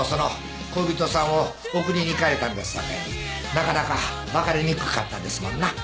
なかなか別れにくかったですもんな。